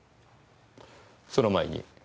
その前に。